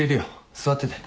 座ってて。